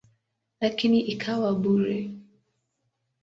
Lakini ikawa bure.